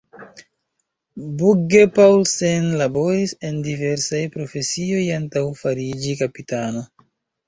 Bugge-Paulsen laboris en diversaj profesioj antaŭ fariĝi kapitano.